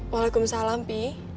walaikum salam pi